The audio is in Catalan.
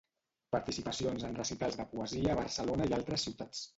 Participacions en recitals de poesia a Barcelona i altres ciutats.